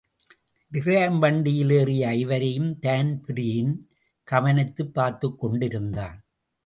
DRAM வண்டியில் ஏறிய ஐவரையும் Dan Breen கவனித்துப் பார்த்துக்கொண்டிருந்தான்.